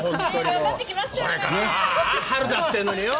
これから春だってのによ。